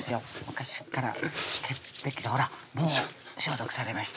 昔っから潔癖でほらもう消毒されました